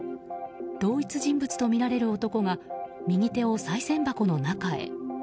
同一人物とみられる男が右手をさい銭箱の中へ。